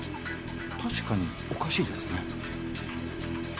確かにおかしいですね。